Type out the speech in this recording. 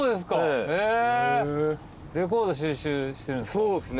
そうっすね